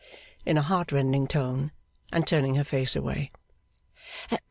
in a heartrending tone, and turning her face away.